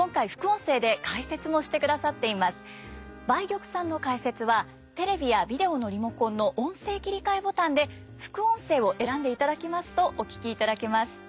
梅玉さんの解説はテレビやビデオのリモコンの「音声切替」ボタンで副音声を選んでいただきますとお聞きいただけます。